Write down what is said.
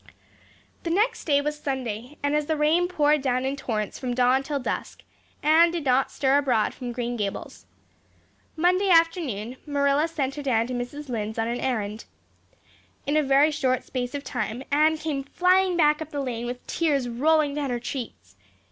The next day was Sunday and as the rain poured down in torrents from dawn till dusk Anne did not stir abroad from Green Gables. Monday afternoon Marilla sent her down to Mrs. Lynde's on an errand. In a very short space of time Anne came flying back up the lane with tears rolling down her cheeks.